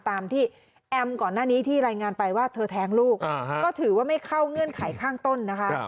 ตามที่แอมก่อนหน้านี้ที่รายงานไปว่าเธอแท้งลูกก็ถือว่าไม่เข้าเงื่อนไขข้างต้นนะคะ